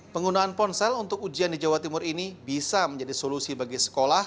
penggunaan ponsel untuk ujian di jawa timur ini bisa menjadi solusi bagi sekolah